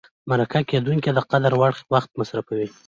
مرکه کېدونکی د قدر وړ وخت مصرفوي.